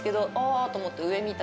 あと思って上見て。